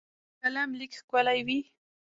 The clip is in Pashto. د قلم لیک ښکلی وي.